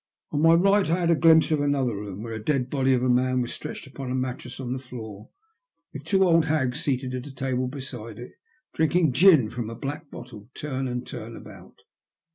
On my right I had a glimpse of another room, where the dead body of a man was stretched upon a mattress on the floor, with two old hags seated at a table beside it, drinking gin from a black bottle, turn and turn about.